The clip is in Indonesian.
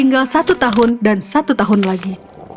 tinggal satu tahun dan satu tahun lagi